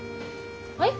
はい。